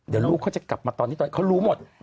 เดี๋ยวลูกเขาจะกลับมาตอนนี้เขารู้หมด